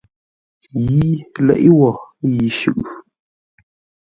Yi leʼe wo yi shʉʼʉ.